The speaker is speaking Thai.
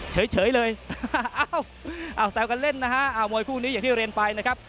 เฉยเลยแซวกันเล่นนะฮะมวยคู่นี้อย่างที่เรียนไปนะครับ